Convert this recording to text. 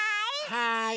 はい。